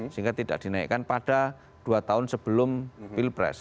sehingga tidak dinaikkan pada dua tahun sebelum pilpres